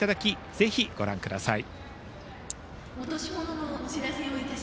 ぜひ、ご覧ください。